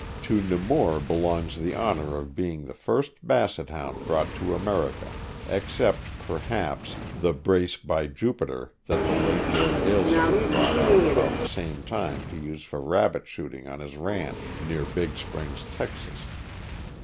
To Nemours belongs the honor of being the first Basset Hound brought to America, except, perhaps, the brace by Jupiter that the late Lord Aylesford brought out about the same time to use for rabbit shooting on his ranch near Big Springs, Texas.